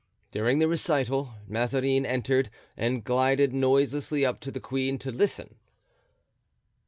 During the recital Mazarin entered and glided noiselessly up to the queen to listen.